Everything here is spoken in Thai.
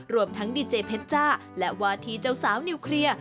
รวมทั้งดีเจเพชจ้าและวาทีเจ้าสาวนิวเคลียร์